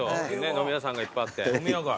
飲み屋さんがいっぱいあって。